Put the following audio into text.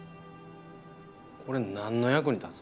これ何の役に立つ？